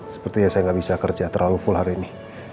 sepertinya saya nggak bisa kerja terlalu full hari ini